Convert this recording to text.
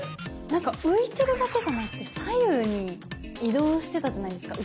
何か浮いてるだけじゃなくて左右に移動してたじゃないですか。